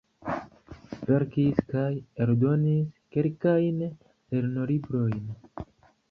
Verkis kaj eldonis kelkajn lernolibrojn.